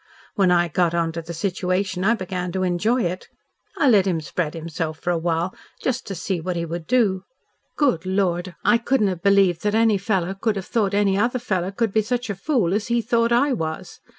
When I got on to the situation, I began to enjoy it. I let him spread himself for a while just to see what he would do. Good Lord! I couldn't have believed that any fellow could have thought any other fellow could be such a fool as he thought I was.